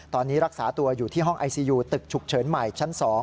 ตอนนี้รักษาตัวอยู่ที่ห้องไอซียูตึกฉุกเฉินใหม่ชั้น๒